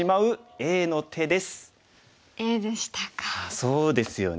そうですよね。